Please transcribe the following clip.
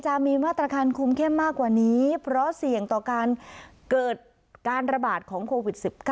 จะมีมาตรการคุมเข้มมากกว่านี้เพราะเสี่ยงต่อการเกิดการระบาดของโควิด๑๙